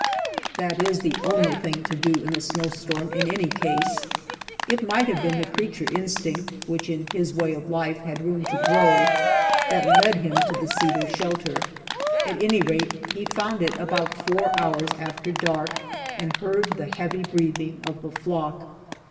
That is the only thing to do in a snowstorm in any casCi . It might have been the creature instinct, which in his way of life had room to grow, that led him to the cedar shelter; at any rate he found it about four hours 75 THE POCKET HUNTER after dark, and heard the heavy breathing of the flock.